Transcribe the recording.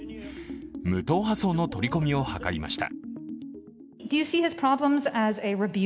無党派層の取り込みを図りました。